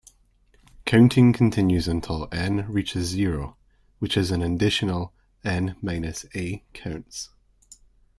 Counting continues until N reaches zero, which is an additional N - A counts.